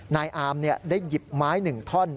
นายอามได้หยิบไม้๑ท่อน